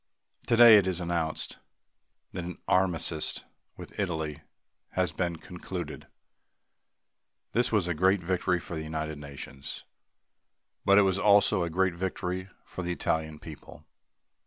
Today, it is announced that an armistice with Italy has been concluded. This was a great victory for the United Nations but it was also a great victory for the Italian people.